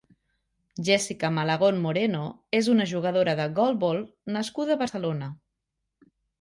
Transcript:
Jessica Malagón Moreno és una jugadora de golbol nascuda a Barcelona.